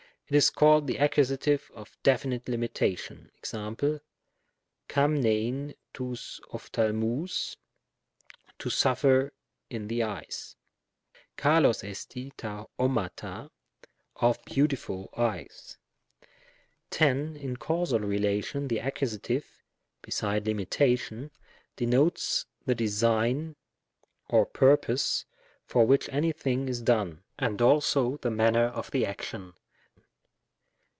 It is called the Accus. of definite limita tion. jEfe., xdfiviiv Tovg ocp&aXiaovgy "to suffer in the eyes;" ^dXog eon rd ofzuaruy " of beautiful eyes.'' 10. In causal relation the Accus., beside limitation, denotes the design or purpose for which any thing is done, and also the manner of the action.